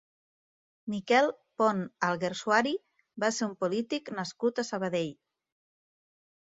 Miquel Pont Alguersuari va ser un polític nascut a Sabadell.